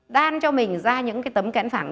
đan cho mình ra những cái tấm kén phẳng